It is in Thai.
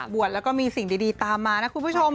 บวชแล้วก็มีสิ่งดีตามมานะคุณผู้ชม